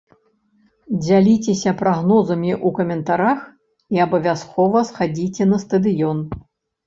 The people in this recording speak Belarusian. Дзяліцеся прагнозамі ў каментарах і абавязкова схадзіце на стадыён!